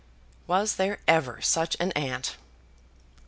Was there ever such an aunt?